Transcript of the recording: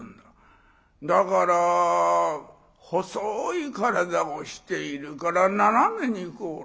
だから細い体をしているから斜めにこう。